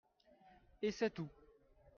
Et c’est tout.